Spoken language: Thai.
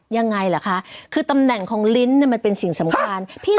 ยังไงเหรอคะคือตำแหน่งของลิ้นเนี่ยมันเป็นสิ่งสำคัญพี่